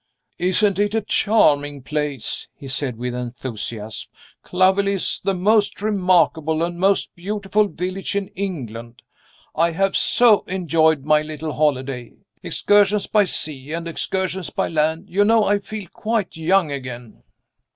"Isn't it a charming place?" he said with enthusiasm. "Clovelly is the most remarkable and most beautiful village in England. I have so enjoyed my little holiday excursions by sea and excursions by land you know I feel quite young again?"